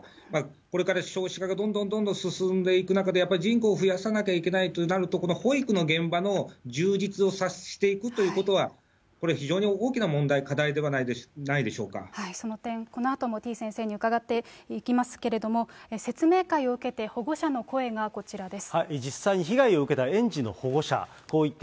これから少子化がどんどんどんどん進んでいく中で、やっぱり人口増やさないといけないということになると、この保育の現場の充実をさせていくということは、これ、大きな問題、その点、このあともてぃ先生に伺っていきますけれども、説明会を受けて、保護者の声がこちらです。